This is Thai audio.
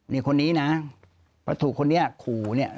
นี่คนนี้นะเพราะถูกคนนี้ขู่เนี่ย